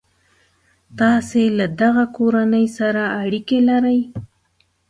تاسي له دغه کورنۍ سره اړیکي لرئ.